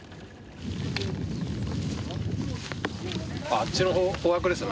あっちの方角ですね。